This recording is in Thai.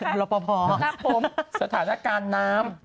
คุณพี่รอบพอสถานการณ์น้ำ